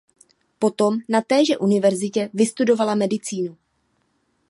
Potom na téže univerzitě vystudovala medicínu.